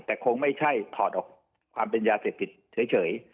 แต่คงไม่ใช่ถอดออกความเป็นยาเสพติดเฉย